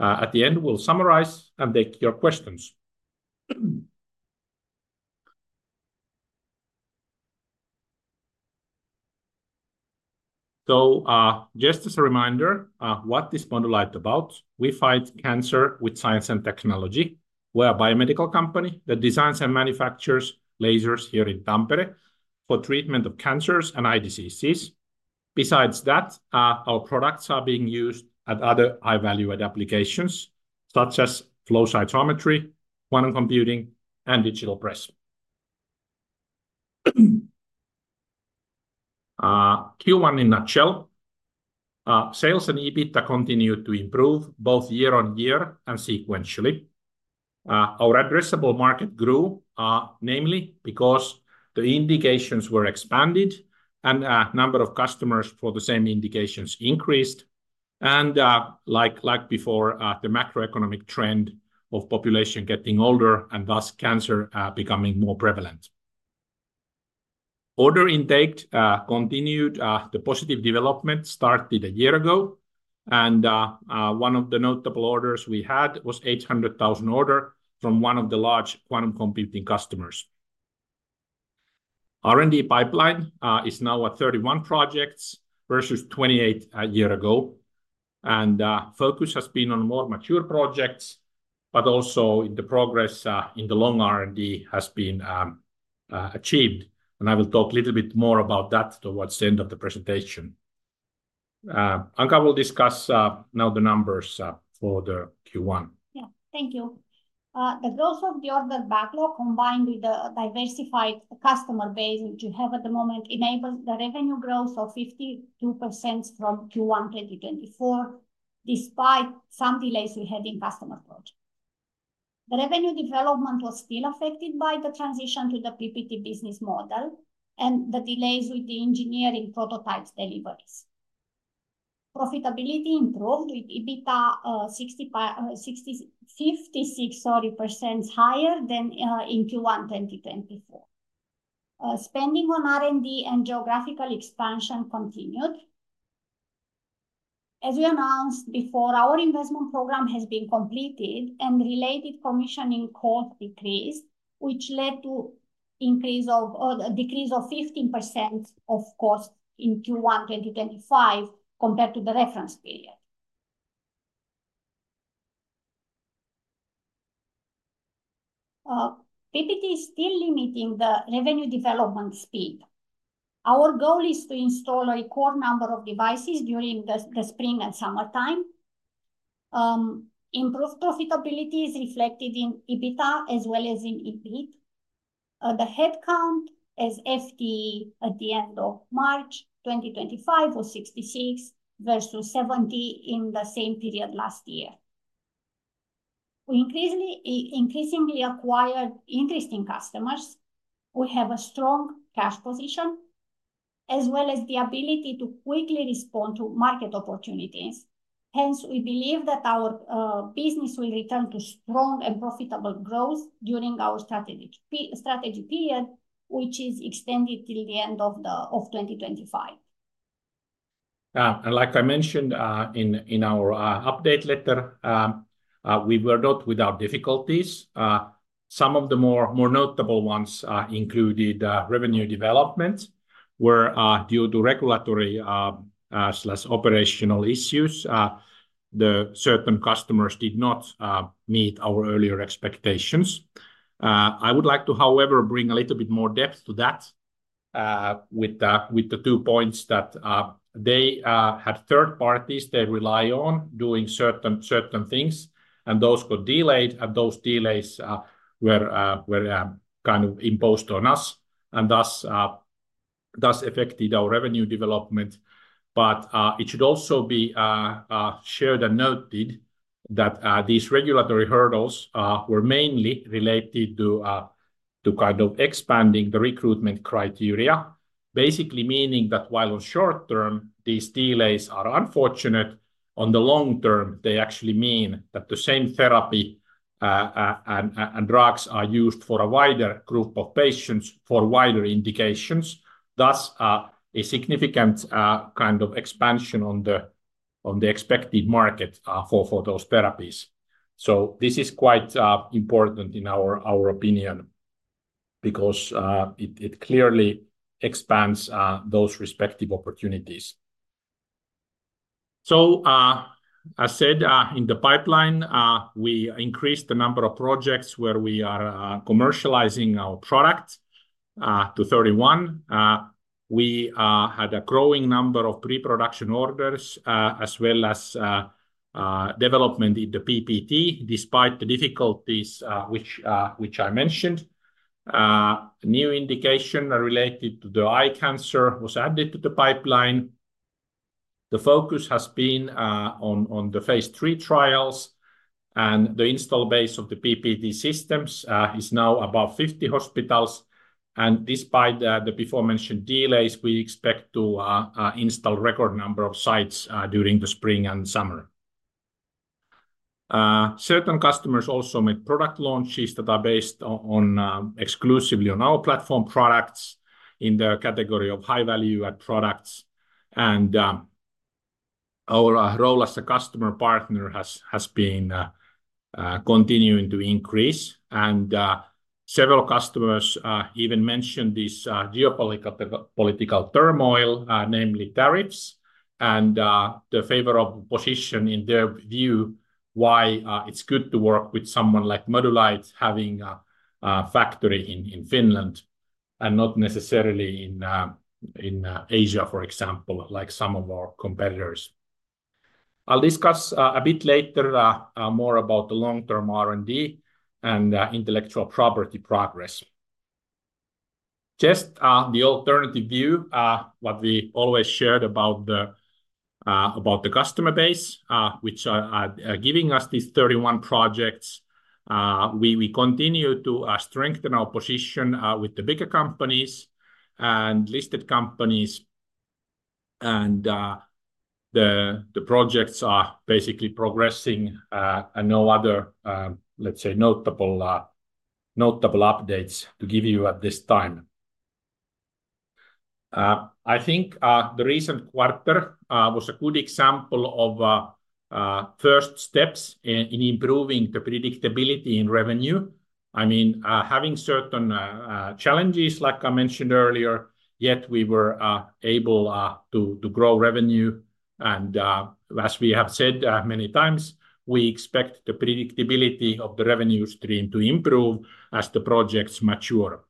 At the end, we'll summarize and take your questions. Just as a reminder, what is Modulight about? We fight cancer with science and technology. We're a biomedical company that designs and manufactures lasers here in Tampere for treatment of cancers and eye diseases. Besides that, our products are being used at other high-value-add applications such as flow cytometry, quantum computing, and digital press. Q1 in a nutshell: sales and EBITDA continue to improve both year-on-year and sequentially. Our addressable market grew, namely because the indications were expanded and the number of customers for the same indications increased. Like before, the macroeconomic trend of population getting older and thus cancer becoming more prevalent. Order intake continued. The positive development started a year ago, and one of the notable orders we had was an 800,000 order from one of the large quantum computing customers. R&D pipeline is now at 31 projects versus 28 a year ago. Focus has been on more mature projects, but also the progress in the long R&D has been achieved. I will talk a little bit more about that towards the end of the presentation. Anca will discuss now the numbers for the Q1. Yeah, thank you. The growth of the order backlog combined with the diversified customer base which you have at the moment enables the revenue growth of 52% from Q1 2024, despite some delays we had in customer projects. The revenue development was still affected by the transition to the PPT business model and the delays with the engineering prototypes deliveries. Profitability improved with EBITDA 56% higher than in Q1 2024. Spending on R&D and geographical expansion continued. As we announced before, our investment program has been completed, and related commissioning costs decreased, which led to a decrease of 15% of costs in Q1 2025 compared to the reference period. PPT is still limiting the revenue development speed. Our goal is to install a core number of devices during the spring and summertime. Improved profitability is reflected in EBITDA as well as in EBIT. The headcount as FTE at the end of March 2025 was 66 versus 70 in the same period last year. We increasingly acquired interesting customers. We have a strong cash position as well as the ability to quickly respond to market opportunities. Hence, we believe that our business will return to strong and profitable growth during our strategy period, which is extended till the end of 2025. Yeah, and like I mentioned in our update letter, we were not without difficulties. Some of the more notable ones included revenue development where due to regulatory or operational issues, certain customers did not meet our earlier expectations. I would like to, however, bring a little bit more depth to that with the two points that they had third parties they rely on doing certain things, and those got delayed, and those delays were kind of imposed on us, and thus affected our revenue development. It should also be shared and noted that these regulatory hurdles were mainly related to kind of expanding the recruitment criteria, basically meaning that while on short term these delays are unfortunate, on the long term they actually mean that the same therapy and drugs are used for a wider group of patients for wider indications. Thus, a significant kind of expansion on the expected market for those therapies. This is quite important in our opinion because it clearly expands those respective opportunities. As said, in the pipeline, we increased the number of projects where we are commercializing our product to 31. We had a growing number of pre-production orders as well as development in the PPT despite the difficulties which I mentioned. New indication related to the eye cancer was added to the pipeline. The focus has been on the phase three trials, and the install base of the PPT systems is now above 50 hospitals. Despite the before-mentioned delays, we expect to install a record number of sites during the spring and summer. Certain customers also made product launches that are based exclusively on our platform products in the category of high-value-add products. Our role as a customer partner has been continuing to increase. Several customers even mentioned this geopolitical turmoil, namely tariffs and the favorable position in their view, why it's good to work with someone like Modulight having a factory in Finland and not necessarily in Asia, for example, like some of our competitors. I'll discuss a bit later more about the long-term R&D and intellectual property progress. Just the alternative view, what we always shared about the customer base, which are giving us these 31 projects, we continue to strengthen our position with the bigger companies and listed companies. The projects are basically progressing, and no other, let's say, notable updates to give you at this time. I think the recent quarter was a good example of first steps in improving the predictability in revenue. I mean, having certain challenges, like I mentioned earlier, yet we were able to grow revenue. As we have said many times, we expect the predictability of the revenue stream to improve as the projects mature.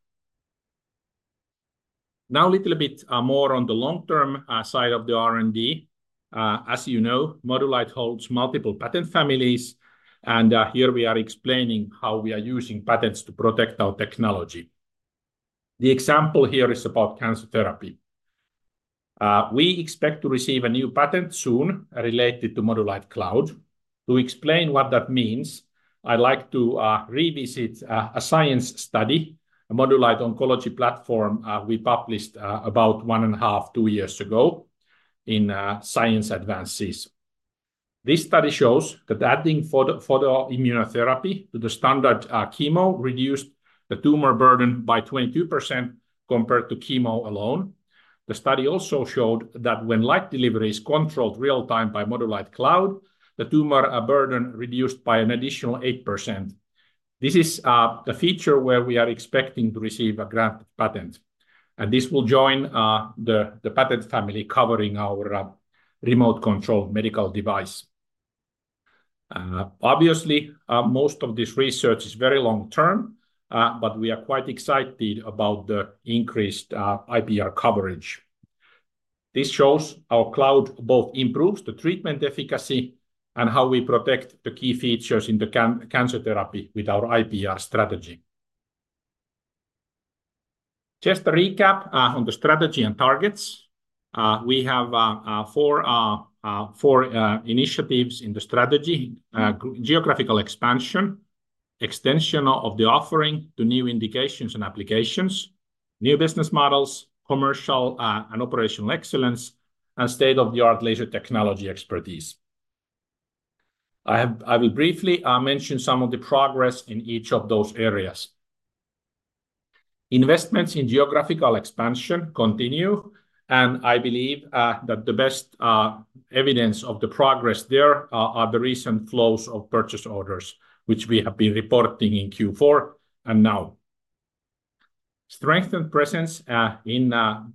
Now, a little bit more on the long-term side of the R&D. As you know, Modulight holds multiple patent families, and here we are explaining how we are using patents to protect our technology. The example here is about cancer therapy. We expect to receive a new patent soon related to Modulight Cloud. To explain what that means, I'd like to revisit a science study, a Modulight oncology platform we published about one and a half, two years ago in Science Advances. This study shows that adding photoimmunotherapy to the standard chemo reduced the tumor burden by 22% compared to chemo alone. The study also showed that when light delivery is controlled real-time by Modulight Cloud, the tumor burden reduced by an additional 8%. This is the feature where we are expecting to receive a grant patent, and this will join the patent family covering our remote-controlled medical device. Obviously, most of this research is very long-term, but we are quite excited about the increased IPR coverage. This shows our cloud both improves the treatment efficacy and how we protect the key features in the cancer therapy with our IPR strategy. Just a recap on the strategy and targets. We have four initiatives in the strategy: geographical expansion, extension of the offering to new indications and applications, new business models, commercial and operational excellence, and state-of-the-art laser technology expertise. I will briefly mention some of the progress in each of those areas. Investments in geographical expansion continue, and I believe that the best evidence of the progress there are the recent flows of purchase orders, which we have been reporting in Q4 and now. Strengthened presence in the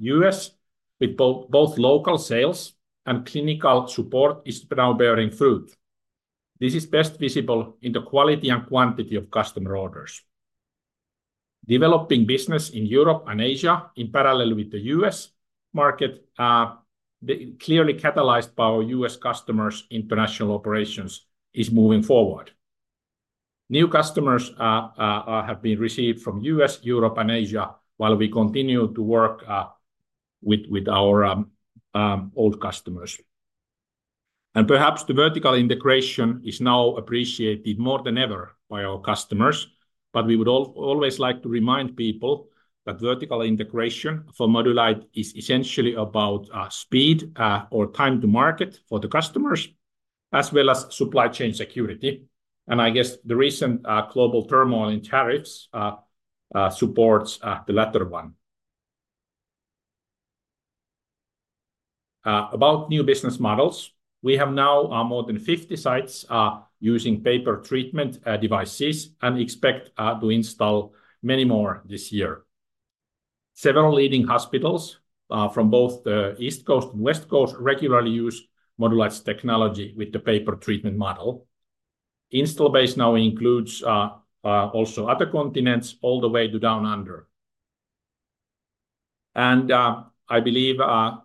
US with both local sales and clinical support is now bearing fruit. This is best visible in the quality and quantity of customer orders. Developing business in Europe and Asia in parallel with the US market clearly catalyzed by our US customers' international operations is moving forward. New customers have been received from US, Europe, and Asia while we continue to work with our old customers. Perhaps the vertical integration is now appreciated more than ever by our customers, but we would always like to remind people that vertical integration for Modulight is essentially about speed or time to market for the customers as well as supply chain security. I guess the recent global turmoil in tariffs supports the latter one. About new business models, we have now more than 50 sites using pay-per-treatment devices and expect to install many more this year. Several leading hospitals from both the East Coast and West Coast regularly use Modulight's technology with the pay-per-treatment model. Install base now includes also other continents all the way down under. I believe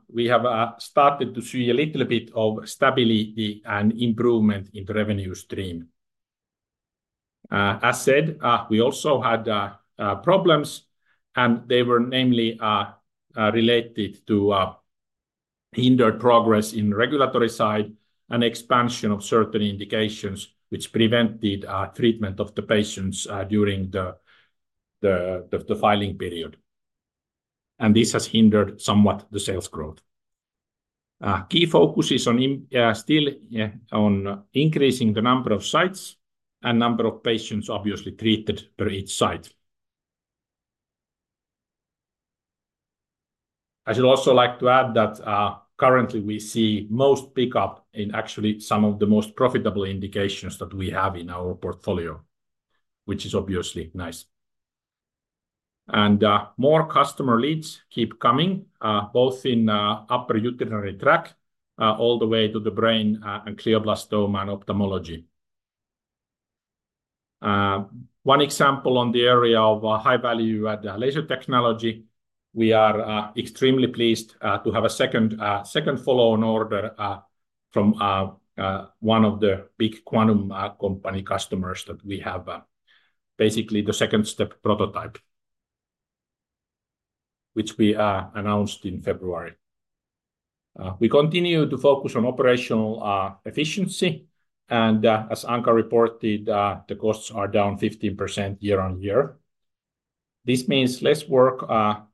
we have started to see a little bit of stability and improvement in the revenue stream. As said, we also had problems, and they were namely related to hindered progress in regulatory side and expansion of certain indications which prevented treatment of the patients during the filing period. This has hindered somewhat the sales growth. Key focus is still on increasing the number of sites and number of patients obviously treated per each site. I should also like to add that currently we see most pickup in actually some of the most profitable indications that we have in our portfolio, which is obviously nice. More customer leads keep coming both in upper urinary tract all the way to the brain and glioblastoma and ophthalmology. One example on the area of high value-add the laser technology, we are extremely pleased to have a second follow-on order from one of the big quantum computing customers that we have, basically the second step prototype, which we announced in February. We continue to focus on operational efficiency, and as Anca reported, the costs are down 15% year-on-year. This means less work on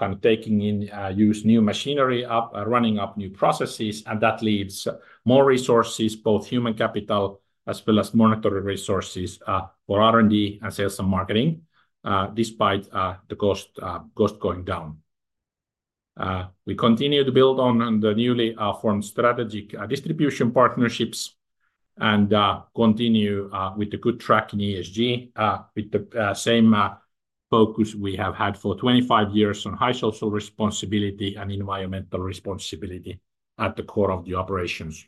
kind of taking in use new machinery, running up new processes, and that leaves more resources, both human capital as well as monetary resources for R&D and sales and marketing despite the cost going down. We continue to build on the newly formed strategic distribution partnerships and continue with the good track in ESG with the same focus we have had for 25 years on high social responsibility and environmental responsibility at the core of the operations.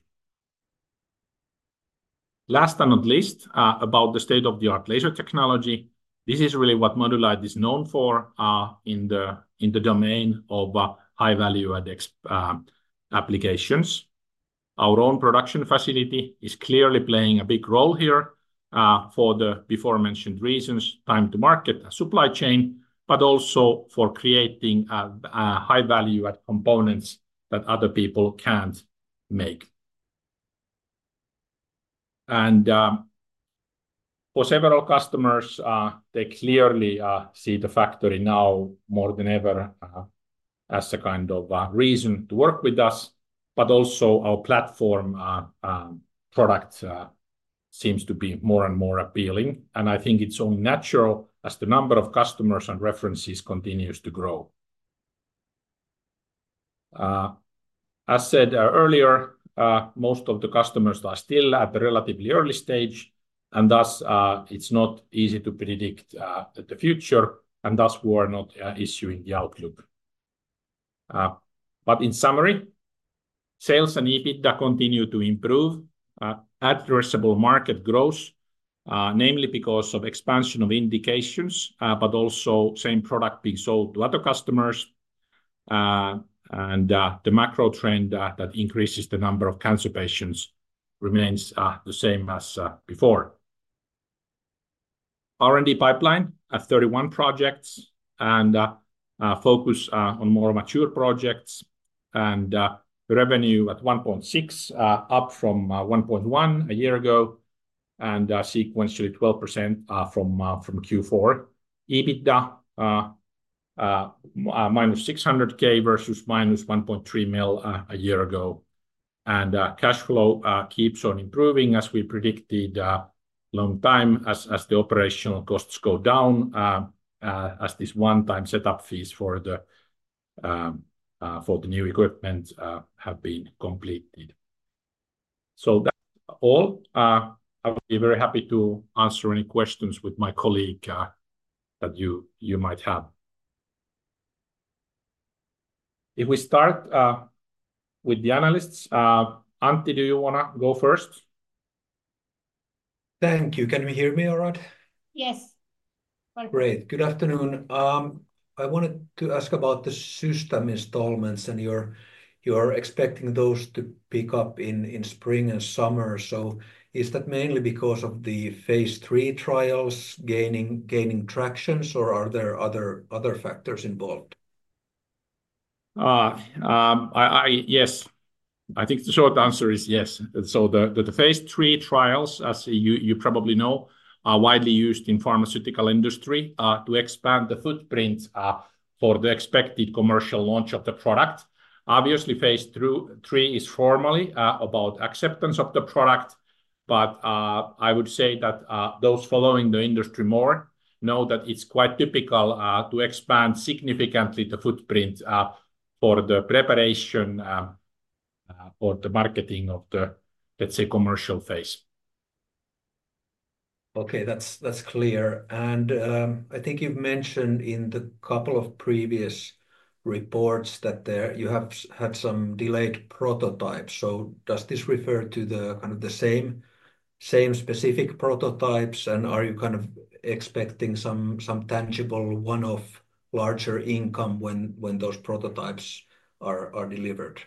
Last but not least, about the state-of-the-art laser technology, this is really what Modulight is known for in the domain of high-value-add applications. Our own production facility is clearly playing a big role here for the before-mentioned reasons, time to market, supply chain, but also for creating high-value-add components that other people can't make. For several customers, they clearly see the factory now more than ever as a kind of reason to work with us, but also our platform product seems to be more and more appealing, and I think it's only natural as the number of customers and references continues to grow. As said earlier, most of the customers are still at the relatively early stage, and thus it's not easy to predict the future, and thus we are not issuing the outlook. In summary, sales and EBITDA continue to improve, addressable market growth, namely because of expansion of indications, but also same product being sold to other customers, and the macro trend that increases the number of cancer patients remains the same as before. R&D pipeline at 31 projects and focus on more mature projects and revenue at 1.6 million up from 1.1 million a year ago and sequentially 12% from Q4. EBITDA minus EUR 600,000 versus minus 1.3 million a year ago. Cash flow keeps on improving as we predicted long time as the operational costs go down as this one-time setup fees for the new equipment have been completed. All, I'll be very happy to answer any questions with my colleague that you might have. If we start with the analysts, Antti, do you want to go first? Thank you. Can you hear me all right? Yes. Great. Good afternoon. I wanted to ask about the system installments and you're expecting those to pick up in spring and summer. Is that mainly because of the phase three trials gaining traction, or are there other factors involved? Yes. I think the short answer is yes. The phase three trials, as you probably know, are widely used in the pharmaceutical industry to expand the footprint for the expected commercial launch of the product. Obviously, phase three is formally about acceptance of the product, but I would say that those following the industry more know that it's quite typical to expand significantly the footprint for the preparation or the marketing of the, let's say, commercial phase. Okay, that's clear. I think you've mentioned in the couple of previous reports that you have some delayed prototypes. Does this refer to the kind of the same specific prototypes, and are you kind of expecting some tangible one-off larger income when those prototypes are delivered?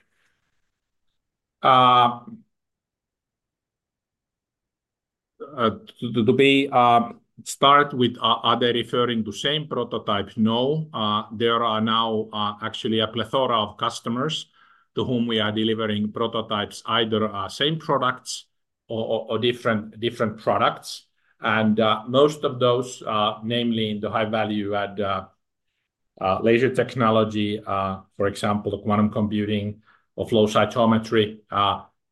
To start with, are they referring to same prototypes? No. There are now actually a plethora of customers to whom we are delivering prototypes, either same products or different products. Most of those, namely in the high-value-add laser technology, for example, the quantum computing of flow cytometry,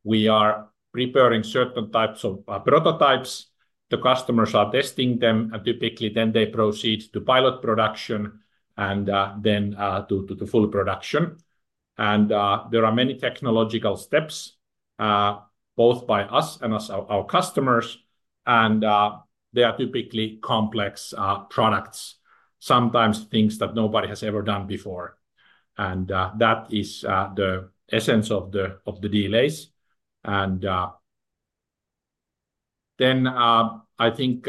we are preparing certain types of prototypes. The customers are testing them, and typically they proceed to pilot production and then to full production. There are many technological steps both by us and our customers, and they are typically complex products, sometimes things that nobody has ever done before. That is the essence of the delays. I think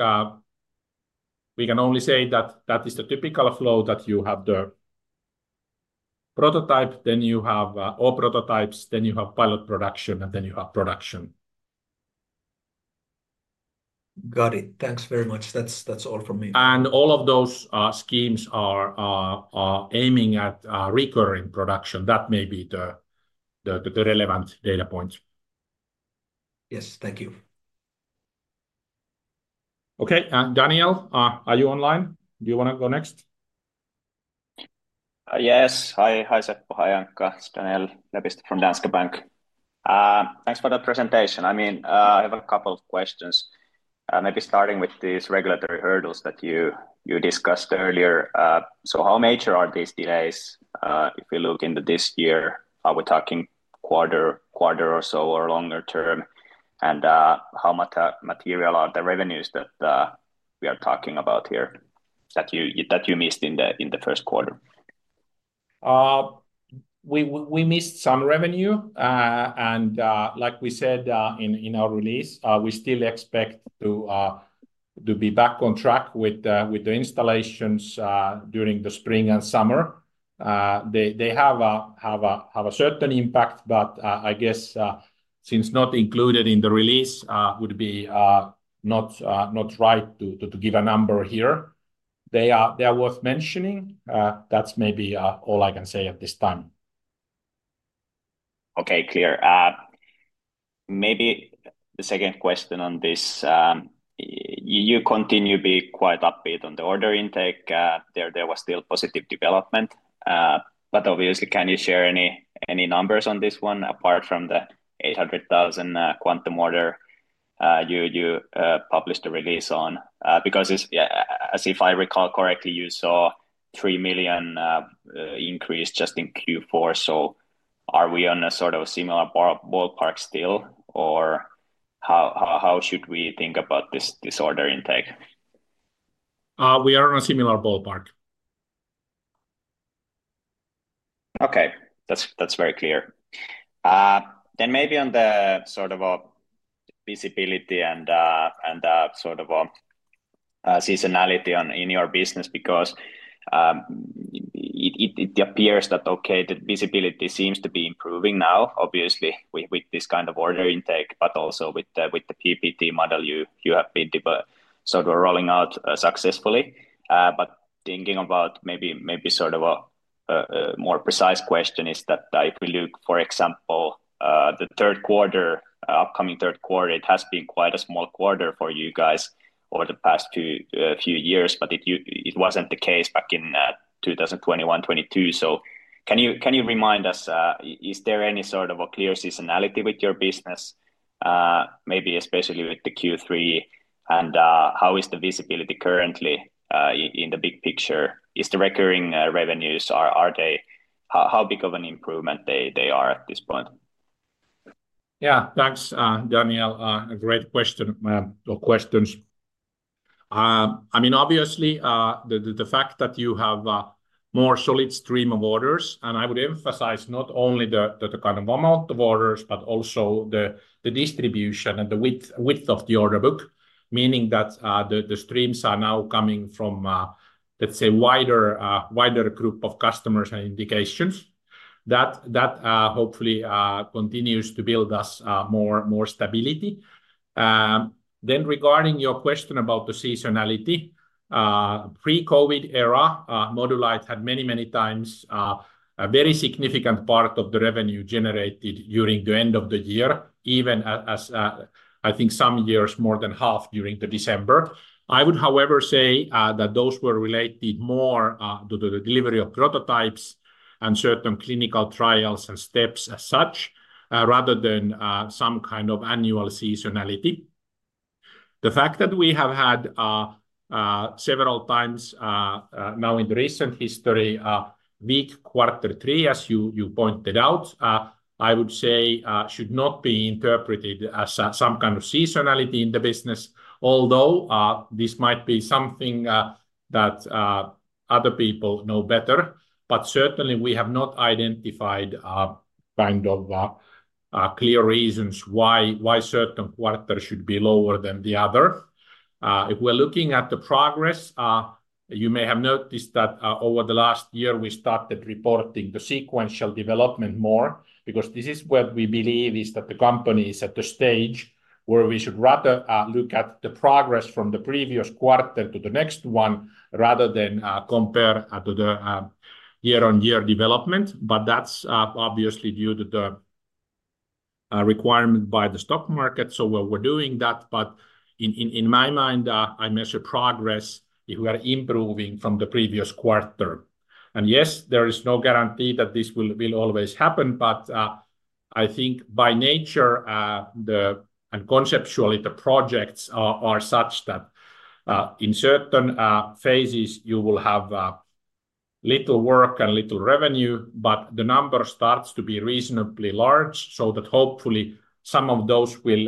we can only say that is the typical flow, that you have the prototype, then you have all prototypes, then you have pilot production, and then you have production. Got it. Thanks very much. That is all from me. All of those schemes are aiming at recurring production. That may be the relevant data point. Yes, thank you. Okay, Daniel, are you online? Do you want to go next? Yes. Hi, Seppo, hi, Anca. Daniel Lepistö from Danske Bank. Thanks for the presentation. I mean, I have a couple of questions, maybe starting with these regulatory hurdles that you discussed earlier. How major are these delays? If we look into this year, are we talking quarter or so or longer term? And how much material are the revenues that we are talking about here that you missed in the first quarter? We missed some revenue. Like we said in our release, we still expect to be back on track with the installations during the spring and summer. They have a certain impact, but I guess since not included in the release would be not right to give a number here. They are worth mentioning. That's maybe all I can say at this time. Okay, clear. Maybe the second question on this, you continue to be quite upbeat on the order intake. There was still positive development, but obviously, can you share any numbers on this one apart from the 800,000 quantum order you published a release on? Because as if I recall correctly, you saw a 3 million increase just in Q4. Are we on a sort of similar ballpark still, or how should we think about this order intake? We are on a similar ballpark. Okay, that's very clear. Maybe on the sort of visibility and sort of seasonality in your business, because it appears that, okay, the visibility seems to be improving now, obviously, with this kind of order intake, but also with the PPT model you have been sort of rolling out successfully. Thinking about maybe sort of a more precise question is that if we look, for example, at the third quarter, upcoming third quarter, it has been quite a small quarter for you guys over the past few years, but it was not the case back in 2021, 2022. Can you remind us, is there any sort of a clear seasonality with your business, maybe especially with the Q3, and how is the visibility currently in the big picture? Is the recurring revenues, how big of an improvement they are at this point? Yeah, thanks, Daniel. A great question or questions. I mean, obviously, the fact that you have a more solid stream of orders, and I would emphasize not only the kind of amount of orders, but also the distribution and the width of the order book, meaning that the streams are now coming from, let's say, a wider group of customers and indications that hopefully continues to build us more stability. Regarding your question about the seasonality, pre-COVID era, Modulight had many, many times a very significant part of the revenue generated during the end of the year, even as I think some years more than half during December. I would, however, say that those were related more to the delivery of prototypes and certain clinical trials and steps as such, rather than some kind of annual seasonality. The fact that we have had several times now in the recent history, weak quarter three, as you pointed out, I would say should not be interpreted as some kind of seasonality in the business, although this might be something that other people know better. Certainly, we have not identified kind of clear reasons why certain quarters should be lower than the other. If we're looking at the progress, you may have noticed that over the last year, we started reporting the sequential development more because this is what we believe is that the company is at the stage where we should rather look at the progress from the previous quarter to the next one rather than compare to the year-on-year development. That is obviously due to the requirement by the stock market. We are doing that. In my mind, I measure progress if we are improving from the previous quarter. Yes, there is no guarantee that this will always happen, but I think by nature and conceptually, the projects are such that in certain phases, you will have little work and little revenue, but the number starts to be reasonably large so that hopefully some of those will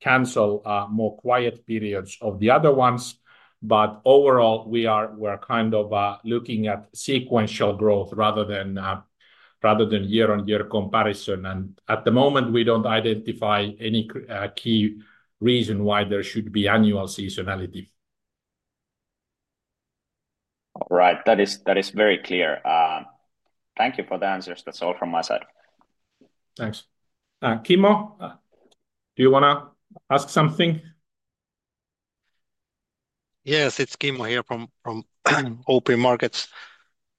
cancel more quiet periods of the other ones. Overall, we are kind of looking at sequential growth rather than year-on-year comparison. At the moment, we do not identify any key reason why there should be annual seasonality. All right, that is very clear. Thank you for the answers. That is all from my side. Thanks. Kimmo, do you want to ask something? Yes, it is Kimmo here from OP Markets.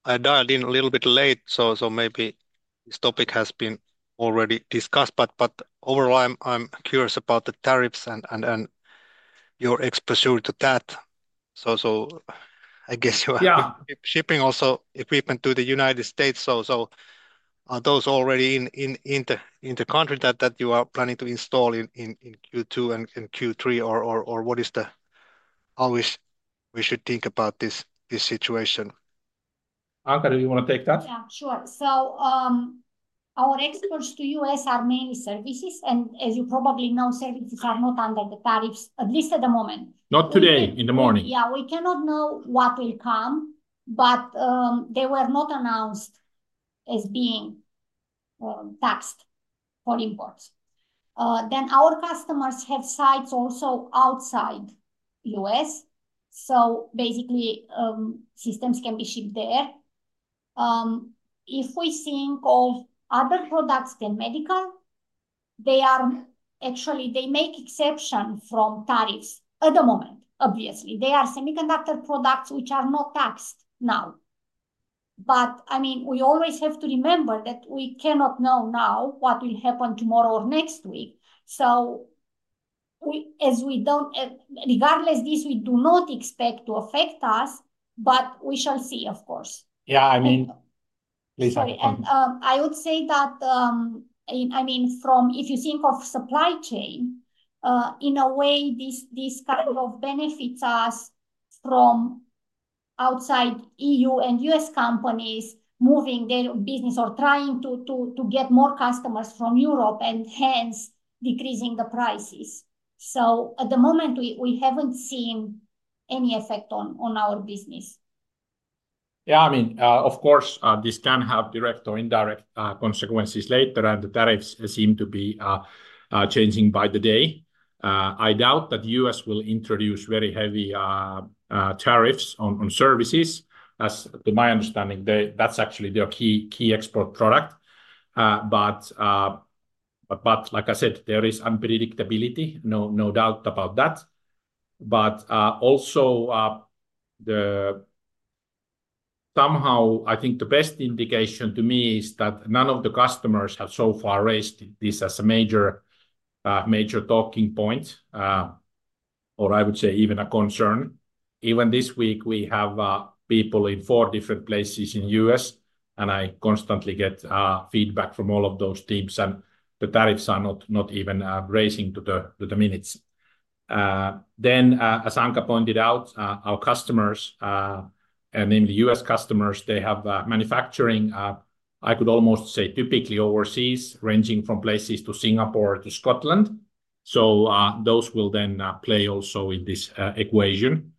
I dialed in a little bit late, so maybe this topic has been already discussed, but overall, I'm curious about the tariffs and your exposure to that. I guess you are shipping also equipment to the United States. Are those already in the country that you are planning to install in Q2 and Q3, or how should we think about this situation? Anca, do you want to take that? Yeah, sure. Our exports to the U.S. are mainly services, and as you probably know, services are not under the tariffs, at least at the moment. Not today, in the morning. We cannot know what will come, but they were not announced as being taxed for imports. Our customers have sites also outside the U.S. Basically, systems can be shipped there. If we think of other products than medical, they are actually, they make exception from tariffs at the moment, obviously. They are semiconductor products which are not taxed now. I mean, we always have to remember that we cannot know now what will happen tomorrow or next week. As we don't, regardless, this we do not expect to affect us, but we shall see, of course. Yeah, I mean, Listen. I would say that, I mean, from if you think of supply chain, in a way, this kind of benefits us from outside EU and US companies moving their business or trying to get more customers from Europe and hence decreasing the prices. At the moment, we haven't seen any effect on our business. Yeah, I mean, of course, this can have direct or indirect consequences later, and the tariffs seem to be changing by the day. I doubt that the U.S. will introduce very heavy tariffs on services. To my understanding, that's actually their key export product. Like I said, there is unpredictability, no doubt about that. Also, somehow, I think the best indication to me is that none of the customers have so far raised this as a major talking point, or I would say even a concern. Even this week, we have people in four different places in the U.S., and I constantly get feedback from all of those teams, and the tariffs are not even rising to the minutes. As Anca pointed out, our customers, and in the U.S. customers, they have manufacturing, I could almost say typically overseas, ranging from places like Singapore to Scotland. Those will then play also in this equation.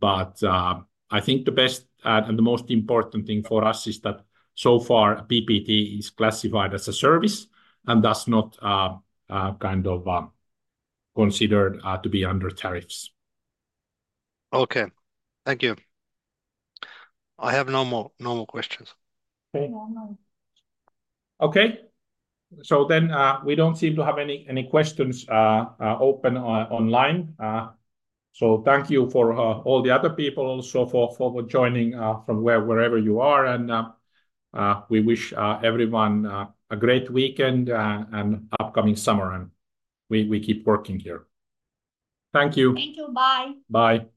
I think the best and the most important thing for us is that so far, PPT is classified as a service and thus not kind of considered to be under tariffs. Okay, thank you. I have no more questions. Okay. Okay, we do not seem to have any questions open online. Thank you for all the other people also for joining from wherever you are. We wish everyone a great weekend and upcoming summer, and we keep working here. Thank you. Thank you. Bye. Bye.